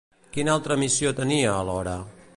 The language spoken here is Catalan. Quina altra missió tenia, alhora?